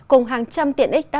cùng hàng trăm tiện ích đa dạng